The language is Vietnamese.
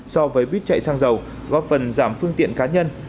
so với buýt chạy sang dầu góp phần giảm phương tiện cá nhân